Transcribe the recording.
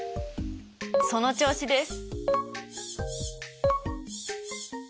その調子です！